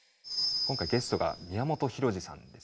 今回ゲストが宮本浩次さんです。